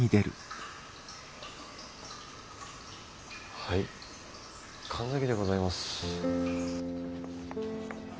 はい神崎でございます。